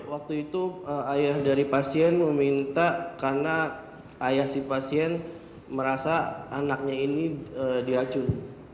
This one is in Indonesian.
waktu itu ayah dari pasien meminta karena ayah si pasien merasa anaknya ini diracun